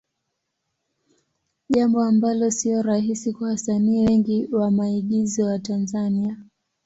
Jambo ambalo sio rahisi kwa wasanii wengi wa maigizo wa Tanzania.